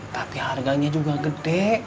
tapi harganya juga gede